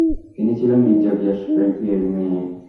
তিনি ছিলেন মির্জা গিয়াস বেগের মেয়ে।